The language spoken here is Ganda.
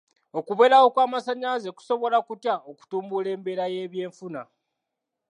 Okubeerawo kw'amasannyalaze kusobola kutya okutumbula embeera y'ebyenfuna?